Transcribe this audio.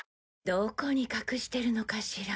どこに隠してるのかしら？